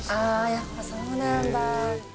やっぱそうなんだ。